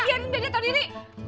biarin bega tau diri